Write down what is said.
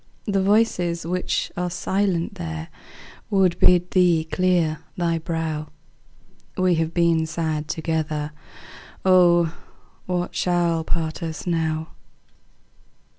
The voices which are silent there Would bid thee clear thy brow; We have been sad together. Oh, what shall part us now?